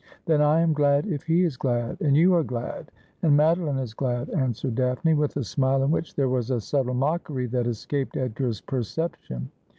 ' Then I am glad if he is glad, and you are glad, and Mado line is glad,' answered Daphne, with a smile in which there was a subtle mockery that escaped Edgar's perception.